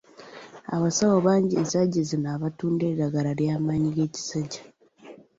Abasawo bangi ensangi zino abatunda eddagala ly'amaanyi g'ekisajja.